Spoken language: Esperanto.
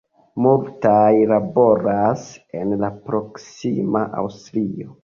Multaj laboras en la proksima Aŭstrio.